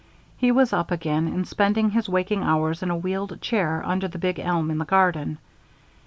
He was up again; and spending his waking hours in a wheeled chair under the big elm in the garden.